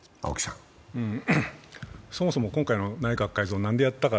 そもそも今回の内閣改造何でやったか。